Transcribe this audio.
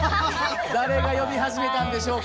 誰が呼び始めたんでしょうか。